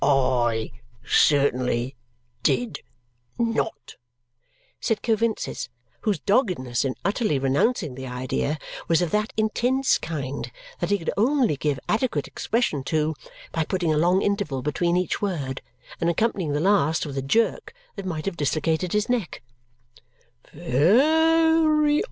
"I certainly did NOT," said Coavinses, whose doggedness in utterly renouncing the idea was of that intense kind that he could only give adequate expression to it by putting a long interval between each word, and accompanying the last with a jerk that might have dislocated his neck.